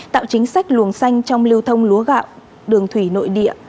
tạo chính sách luồng xanh trong lưu thông lúa gạo đường thủy nội địa